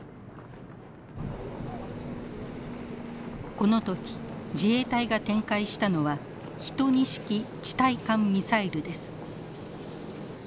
この時自衛隊が展開したのは１２式地対艦ミサイルです。